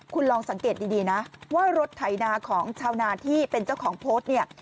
คุณลองสังเกตดีนะว่ารถไถนาของชาวนาที่เป็นเจ้าของโพสต์เนี่ย